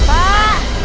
ya allah pak